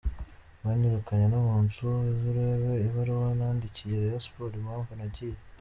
Banyirukanye no mu nzu, uze urebe ibaruwa nandikiye Rayon Sports impamvu nagiye.